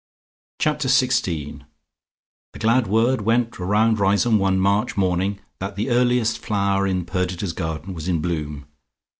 Chapter SIXTEEN The glad word went round Riseholme one March morning that the earliest flower in Perdita's garden was in bloom.